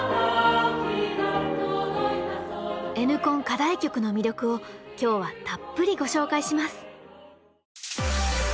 課題曲の魅力を今日はたっぷりご紹介します！